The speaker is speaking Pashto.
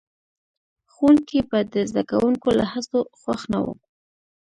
ښوونکي به د زده کوونکو له هڅو خوښ نه وو.